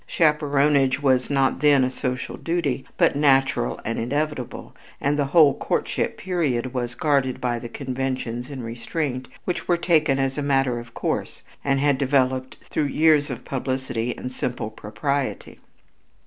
Chaperonage was not then a social duty but natural and inevitable, and the whole courtship period was guarded by the conventions and restraint which were taken as a matter of course and had developed through years of publicity and simple propriety.